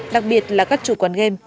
đặc biệt là các chủ quán game